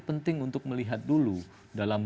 penting untuk melihat dulu dalam